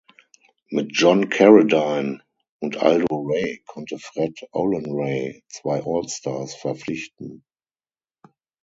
Mit John Carradine und Aldo Ray konnte Fred Olen Ray zwei Altstars verpflichten.